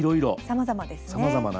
さまざまなんですね。